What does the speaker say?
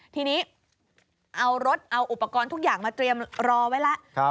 ทีนี้เอารถเอาอุปกรณ์ทุกอย่างมาเตรียมรอไว้แล้ว